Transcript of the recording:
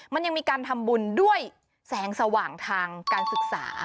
มันยังมีการทำบุญด้วยแสงสว่างทางการศึกษา